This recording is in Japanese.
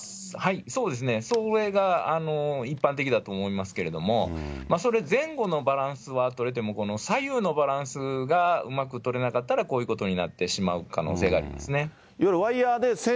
そうですね、それが一般的だと思いますけれども、前後のバランスは取れても、左右のバランスがうまく取れなかったら、こういうことになってしまう可能性がありますね。